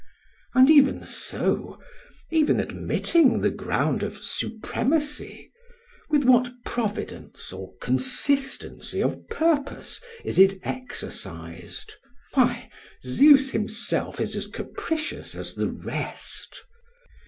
And even so, even admitting the ground of supremacy, with what providence or consistency of purpose is it exercised? Why, Zeus himself is as capricious as the rest!